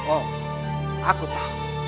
oh aku tahu